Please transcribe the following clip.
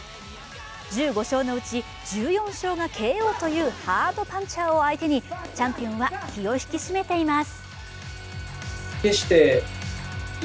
１５勝のうち１４勝がＫＯというハードパンチャーを相手にチャンピオンは気を引き締めています。